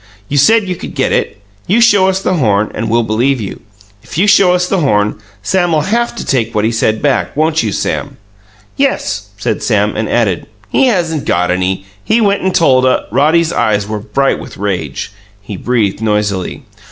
"You said you could get it. You show us the horn and we'll believe you. If you show us the horn, Sam'll haf to take what he said back; won't you, Sam?" "Yes," said Sam, and added. "He hasn't got any. He went and told a " Roddy's eyes were bright with rage; he breathed noisily.